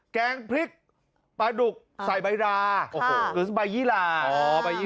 แกงพริกปลาดุกใส่ใบราโอ้โหคือใบยี่ราอ๋อใบยี่รา